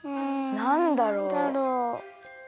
なんだろう？